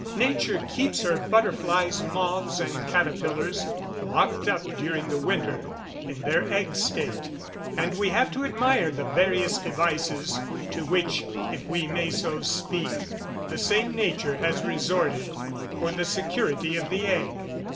Nature keeps her butterflies, moths, and caterpillars, locked up during the winter, in their egg state; and we have to admire the various devices to which, if we may so speak, the same nature has resorted for the security of the egg.